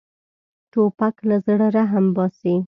توپک له زړه رحم باسي.